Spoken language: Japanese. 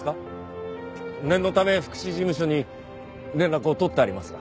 念のため福祉事務所に連絡を取ってありますが。